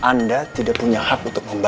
anda tidak punya hak untuk membayar